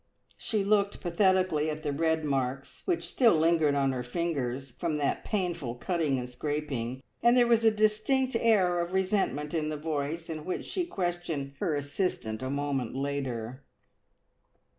She looked pathetically at the red marks which still lingered on her fingers from that painful cutting and scraping, and there was a distinct air of resentment in the voice in which she questioned her assistant a moment later.